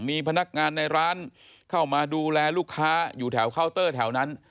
มีพนักงานในร้านเข้ามาดูแลลูกค้าอยู่แถวเคาน์เตอร์แถวนั้น